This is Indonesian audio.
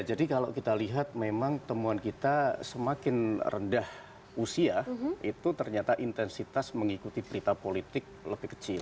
jadi kalau kita lihat memang temuan kita semakin rendah usia itu ternyata intensitas mengikuti berita politik lebih kecil